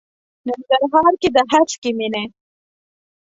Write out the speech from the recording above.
ننګرهار کې د هسکې مېنې.